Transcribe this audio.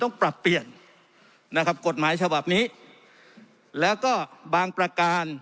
ต้องปรับเปลี่ยนนะครับกฎหมายฉบับนี้แล้วก็บางประการ